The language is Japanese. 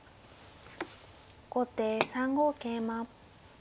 後手３五桂馬。